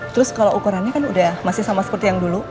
terus kalau ukurannya kan udah masih sama seperti yang dulu